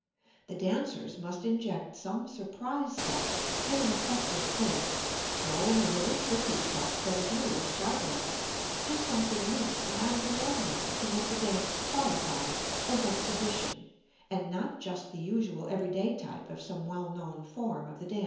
The dancers must inject some surprise steps in an effective place, throw in a little "tricky" stuff that is new or startling do something neat and out of the ordinary to make the dance qualify as "Exhibition" and not just the usual every day type of some well known form of the dance.